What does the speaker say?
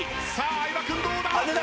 相葉君どうだ？